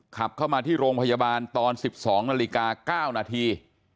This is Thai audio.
ขับเข้ามาที่โรงพยาบาลตอน๑๒นาฬิกา๙นาที